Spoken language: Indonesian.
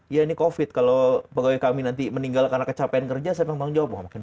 ya ini covid kalau pegawai kami nanti meninggal karena kecapean kerja saya memang tanggung jawab